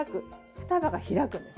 双葉が開くんです。